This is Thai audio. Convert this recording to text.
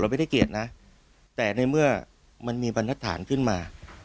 ไม่ได้เกลียดนะแต่ในเมื่อมันมีบรรทฐานขึ้นมา